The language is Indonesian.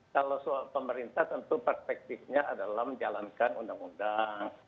kalau soal pemerintah tentu perspektifnya adalah menjalankan undang undang